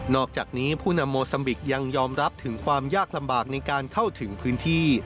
อกจากนี้ผู้นำโมซัมบิกยังยอมรับถึงความยากลำบากในการเข้าถึงพื้นที่